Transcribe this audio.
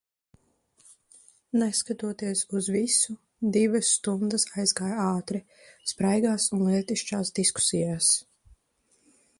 Neskatoties uz visu, divas stundas aizgāja ātri, spraigās un lietišķās diskusijās.